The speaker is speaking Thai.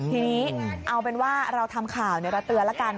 ทีนี้เอาเป็นว่าเราทำข่าวเราเตือนแล้วกัน